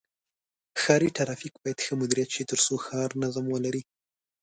ښاري ترافیک باید ښه مدیریت شي تر څو ښار نظم ولري.